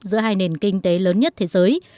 giữa hai nền kinh tế lớn nhất thế giới